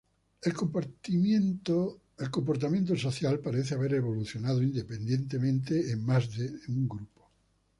El comportamiento social parece haber evolucionado independientemente en más de un grupo.